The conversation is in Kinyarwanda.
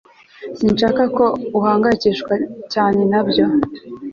Sinshaka ko uhangayikishwa cyane nabyo